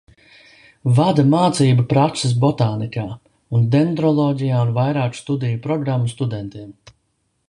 Vada mācību prakses botānikā un dendroloģijā vairāku studiju programmu studentiem.